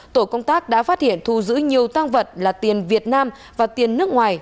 tổ công tác đã phát hiện thu giữ nhiều tăng vật là tiền việt nam và tiền nước ngoài